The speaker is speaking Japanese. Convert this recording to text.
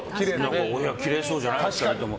お部屋きれいそうじゃないお二人とも。